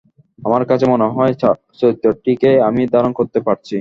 আমার কাছে মনে হয়, চরিত্রটিকে আমি ধারণ করতে পারছি।